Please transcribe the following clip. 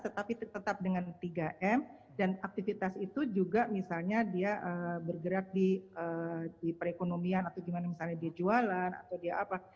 tetapi tetap dengan tiga m dan aktivitas itu juga misalnya dia bergerak di perekonomian atau gimana misalnya dia jualan atau dia apa